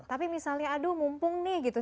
tapi misalnya aduh mumpung nih gitu